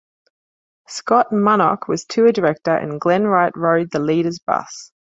Scott Munnoch was tour director and Glen Wright rode the leader's bus.